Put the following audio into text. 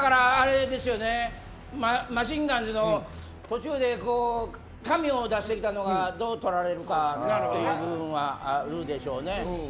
マシンガンズの途中で紙を出してきたのがどう取られるかというのはあるでしょうね。